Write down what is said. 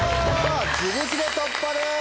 自力で突破です！